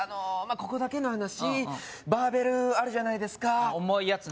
ここだけの話バーベルあるじゃないですか重いヤツね